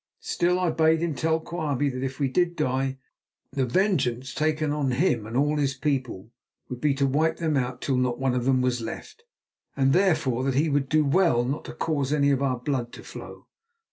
Still, I bade him tell Quabie that if we did die, the vengeance taken on him and all his people would be to wipe them out till not one of them was left, and therefore that he would do well not to cause any of our blood to flow.